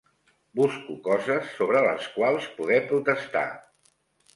Busco coses sobre les quals poder protestar.